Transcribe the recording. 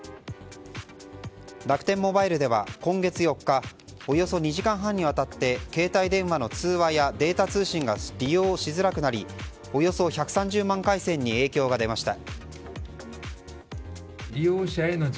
楽天モバイルでは、今月４日およそ２時間半にわたって携帯電話の通話やデータ通信が利用しづらくなりおよそ１３０万回線に影響が出ました。